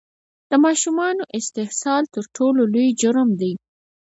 د ماشومانو استحصال تر ټولو لوی جرم دی!